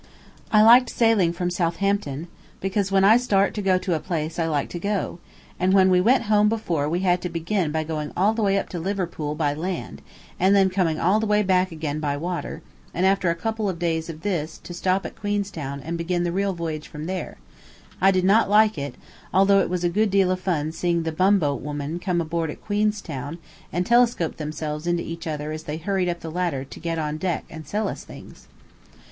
I liked sailing from Southampton because when I start to go to a place I like to go, and when we went home before and had to begin by going all the way up to Liverpool by land, and then coming all the way back again by water, and after a couple of days of this to stop at Queenstown and begin the real voyage from there, I did not like it, although it was a good deal of fun seeing the bumboat women come aboard at Queenstown and telescope themselves into each other as they hurried up the ladder to get on deck and sell us things.